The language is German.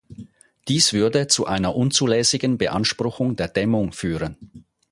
Dies würde zu einer unzulässigen Beanspruchung der Dämmung führen.